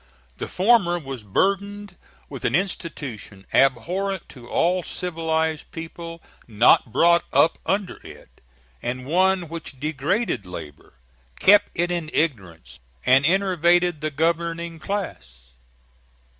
The former was burdened with an institution abhorrent to all civilized people not brought up under it, and one which degraded labor, kept it in ignorance, and enervated the governing class.